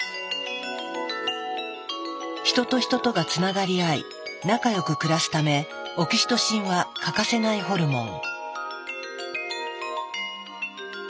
ヒトとヒトとがつながり合い仲良く暮らすためオキシトシンは欠かせないホルモン。